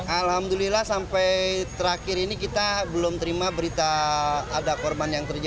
alhamdulillah sampai terakhir ini kita belum terima berita ada korban yang terjadi